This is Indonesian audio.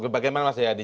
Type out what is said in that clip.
bagaimana mas yadi